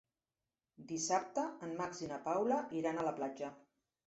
Dissabte en Max i na Paula iran a la platja.